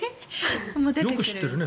よく知ってるね。